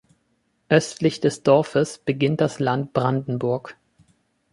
Östlich des Dorfes beginnt das Land Brandenburg.